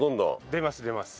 出ます出ます。